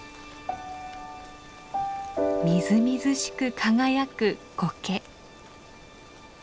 みずみずしく輝くコケ。